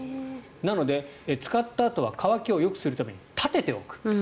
なので、使ったあとは乾きをよくするために立てておく。